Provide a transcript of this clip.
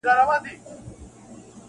له هغې ورځي نن شل کاله تیریږي -